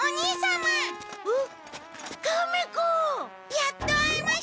やっと会えました！